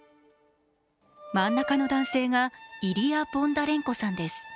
真ん中の男性がイリヤ・ボンダレンコさんです。